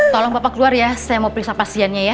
tolong bapak keluar ya saya mau periksa pasiennya ya